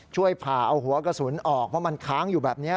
ช่วยผ่าเอาหัวกระสุนออกเพราะมันค้างอยู่แบบนี้